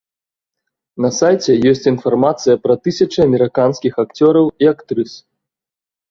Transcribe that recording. На сайце ёсць інфармацыя пра тысячы амерыканскіх акцёраў і актрыс.